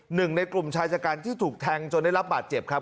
หนึ่งในกลุ่มชายชะกันที่ถูกแทงจนได้รับบาดเจ็บครับ